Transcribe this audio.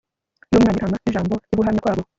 yUmwana wintama nijambo ryo guhamya kwabo